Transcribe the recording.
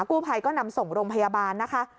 กู้ภัยก็นำส่งโรงพยาบาลนะคะ